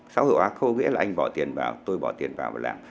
xã hội hóa không có nghĩa là anh bỏ tiền vào tôi bỏ tiền vào và làm